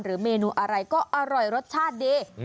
เมนูอะไรก็อร่อยรสชาติดี